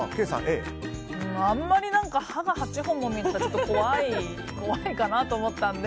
あんまり歯が８本も見えたらちょっと怖いかなと思ったので。